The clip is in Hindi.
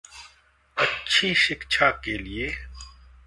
अच्छी शिक्षा के लिए